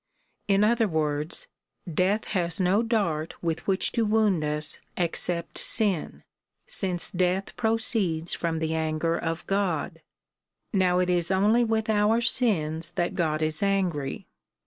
In other words, " Death has no dart with which to wound us except sin, since death pro ceeds from the anger of God. Now it is only with our sins that God is angry.